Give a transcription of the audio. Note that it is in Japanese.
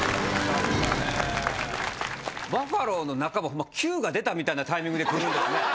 バッファローの仲間もキューが出たみたいなタイミングで来るんですね・